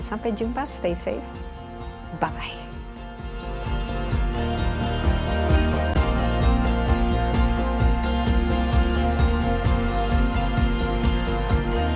sampai jumpa stay safe bang